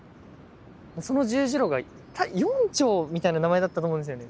その十字路が「四丁」みたいな名前だったと思うんですよね。